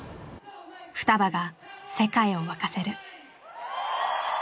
ふたばが世界を沸かせる。